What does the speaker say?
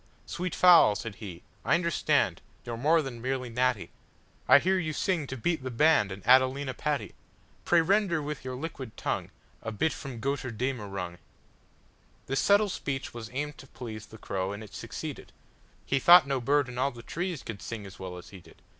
"Sweet fowl," he said, "I understandYou 're more than merely natty:I hear you sing to beat the bandAnd Adelina Patti.Pray render with your liquid tongueA bit from 'Götterdämmerung.'"This subtle speech was aimed to pleaseThe crow, and it succeeded:He thought no bird in all the treesCould sing as well as he did.